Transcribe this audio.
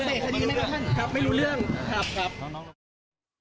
ไม่รู้เรื่องครับ